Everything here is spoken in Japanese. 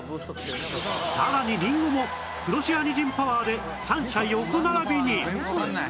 さらにりんごもプロシアニジンパワーで３者横並びに